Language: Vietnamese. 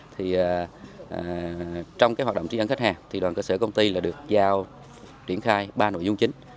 thì trong cái hoạt động tri ân khách hàng thì đoàn cơ sở công ty là được giao triển khai ba nội dung chính